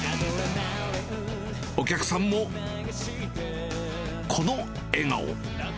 お客さんもこの笑顔。